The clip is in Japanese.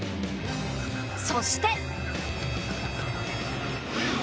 そして。